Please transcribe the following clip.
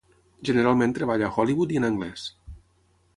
Generalment treballa a Hollywood i en anglès.